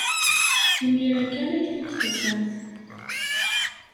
Imir-a kan ay t-id-tufamt.